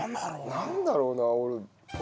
なんだろうな俺。